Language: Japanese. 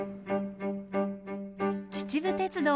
秩父鉄道